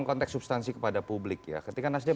konteks substansi kepada publik ya ketika nasdem